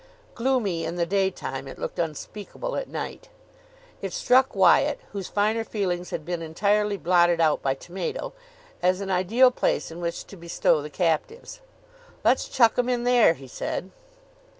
Gloomy in the daytime, it looked unspeakable at night. It struck Wyatt, whose finer feelings had been entirely blotted out by tomato, as an ideal place in which to bestow the captives. "Let's chuck 'em in there," he said.